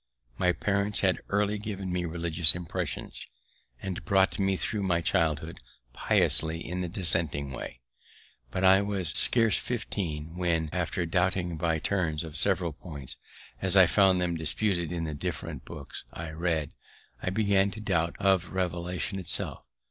My parents had early given me religious impressions, and brought me through my childhood piously in the Dissenting way. But I was scarce fifteen, when, after doubting by turns of several points, as I found them disputed in the different books I read, I began to doubt of Revelation itself.